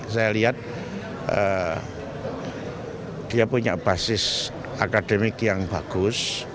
saya lihat dia punya basis akademik yang bagus